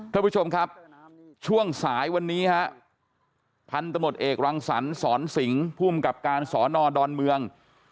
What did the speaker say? ท่านผู้ชมคำช่วงสายวันนี้ฮะพันธุ์ตำรวจเอกรังสรรศสรศิงภ์ภูมิกับการศรนอดรเมือง